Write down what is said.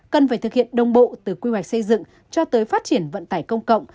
cần phải thực hiện đồng bộ từ quy hoạch xây dựng cho tới phát triển vận tải công cộng